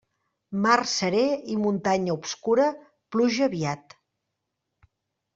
Mar seré i muntanya obscura, pluja aviat.